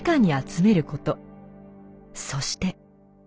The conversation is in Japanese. そして。